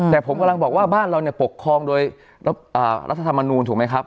แต่ผมกำลังบอกว่าบ้านเราเนี่ยปกครองโดยรัฐธรรมนูลถูกไหมครับ